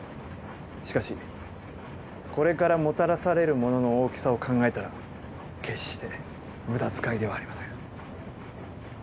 しかしこれからもたらされるものの大きさを考えたら決して無駄遣いではありません。